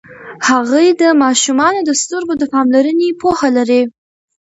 هغې د ماشومانو د سترګو د پاملرنې پوهه لري.